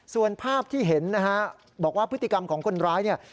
ส่วนภาพที่เห็นนะฮะบอกว่าพฤติกรรมของคนร้ายเนี่ย